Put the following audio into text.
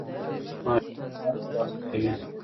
ماشوم ډاډ ترلاسه کوي.